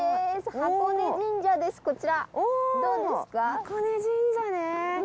箱根神社ね。